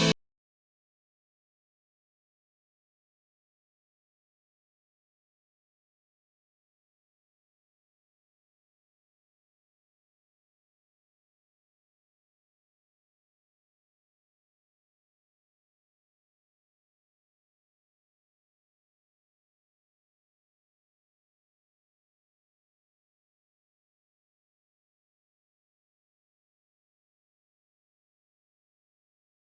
aku tinggalin tante